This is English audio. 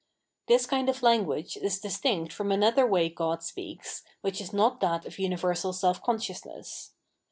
This kind of language is distinct from another way God speaks, which is not that of umversal self consciousness.